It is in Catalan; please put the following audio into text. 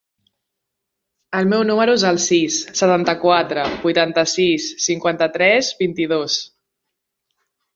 El meu número es el sis, setanta-quatre, vuitanta-sis, cinquanta-tres, vint-i-dos.